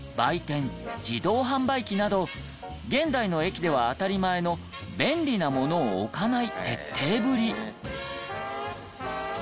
自動販売機など現代の駅では当たり前の便利なものを置かない徹底ぶり。